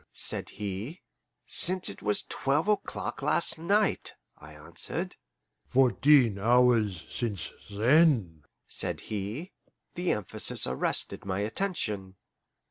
said he. "Since it was twelve o'clock last night," I answered. "Fourteen hours since THEN," said he. The emphasis arrested my attention.